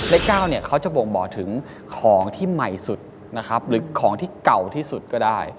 เลข๙เนี่ยเขาจะบ่งบอกถึงของที่ใหม่สุดนะครับหรือของที่เก่าที่สุดก็ได้